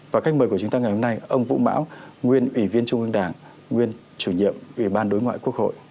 và khách mời của chúng ta ngày hôm nay ông vũ mão nguyên ủy viên trung ương đảng nguyên chủ nhiệm ủy ban đối ngoại quốc hội